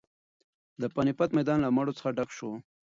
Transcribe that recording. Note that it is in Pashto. د پاني پت میدان له مړو څخه ډک شو.